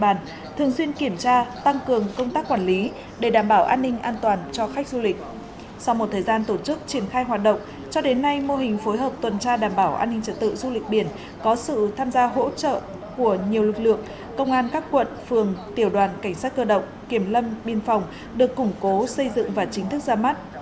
bệnh viện nhi trung ương đã phối hợp tuần tra đảm bảo an ninh trật tự du lịch biển có sự tham gia hỗ trợ của nhiều lực lượng công an các quận phường tiểu đoàn cảnh sát cơ động kiểm lâm biên phòng được củng cố xây dựng và chính thức ra mắt